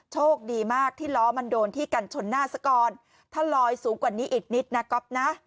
โชคดีมากที่ล้อมันโดนที่กันชนหน้าซะก่อนถ้าลอยสูงกว่านี้อีกนิดนะก๊อฟนะ